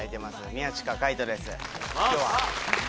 宮近海斗です